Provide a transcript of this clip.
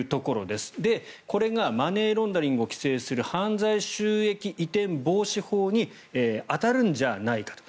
で、これがマネーロンダリングを規制する犯罪収益移転防止法に当たるんじゃないかと。